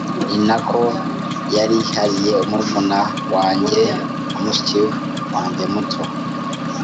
ni nako yarihiye murumuna wanjye na mushiki wanjyemuto